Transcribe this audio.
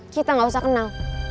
kita gak usah kenal